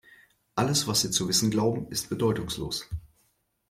Alles, was Sie zu wissen glauben, ist bedeutungslos.